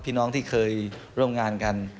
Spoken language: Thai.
พี่น้องที่เคยร่วมงานกัน